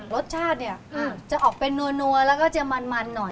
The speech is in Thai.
รสชาติเนี่ยจะออกเป็นนัวแล้วก็จะมันหน่อย